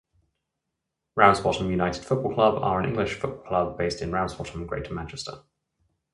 Ramsbottom United Football Club are an English football club based in Ramsbottom, Greater Manchester.